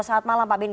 selamat malam pak beni